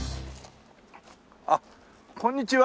あっこんにちは。